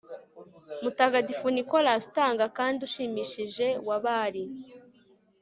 mutagatifu nicholas utanga kandi ushimishije wa bari